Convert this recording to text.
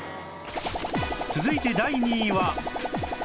続いて第２位は